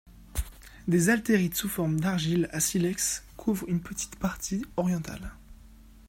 Des altérites sous forme d'argile à silex couvrent une petite partie orientale.